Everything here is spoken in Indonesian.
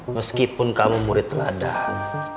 meskipun kamu murid teladan